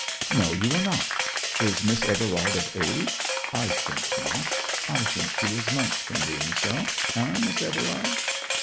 'No, you are not! Is Miss Everard of age? I think not. I think she is months from being so. Eh, Miss Everard?'